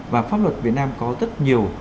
và pháp luật việt nam có rất nhiều